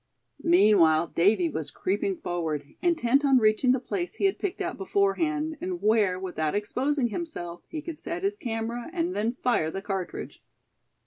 Meanwhile Davy was creeping forward, intent on reaching the place he had picked out beforehand, and where, without exposing himself, he could set his camera, and then fire the cartridge.